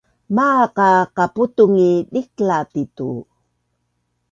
Maaq a qaputung i dikla ti tu?